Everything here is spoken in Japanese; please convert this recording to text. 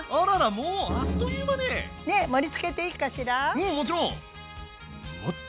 うんもちろん！